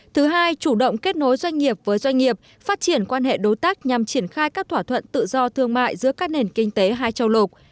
thứ hai chủ động kết nối doanh nghiệp với doanh nghiệp phát triển quan hệ đối tác nhằm triển khai các thỏa thuận tự do thương mại giữa các nền kinh tế hai châu lục